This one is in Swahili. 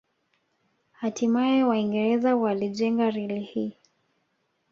Hatimae Waingereza waliijenga reli hii